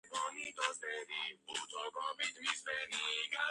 ქირიქკალე არის ქირიქკალეს პროვინციის ადმინისტრაციული ცენტრი.